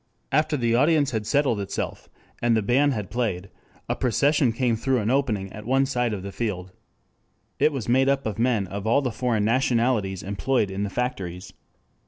After the audience had settled itself, and the band had played, a procession came through an opening at one side of the field. It was made up of men of all the foreign nationalities employed in the factories.